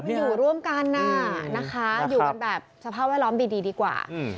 อยู่ร่วมกันนะอยู่กับสภาพแวดล้อมดีดีกว่า